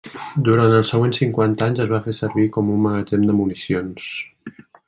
Durant els següents cinquanta anys es va fer servir com un magatzem de municions.